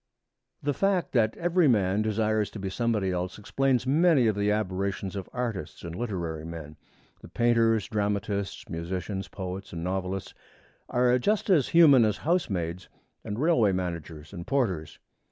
The fact that every man desires to be somebody else explains many of the aberrations of artists and literary men. The painters, dramatists, musicians, poets, and novelists are just as human as housemaids and railway managers and porters.